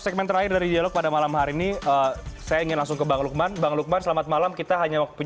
saya ingin pelakunya sudah bertahun tahun